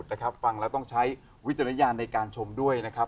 ต่อการพิสูจน์นะครับฟังแล้วต้องใช้วิจารณญาณในการชมด้วยนะครับ